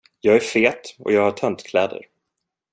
Jag är fet och jag har töntkläder.